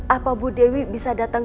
apa bu dewi bisa datang